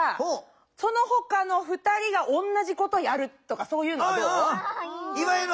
そのほかの２人が同じことやるとかそういうのはどう？いわゆる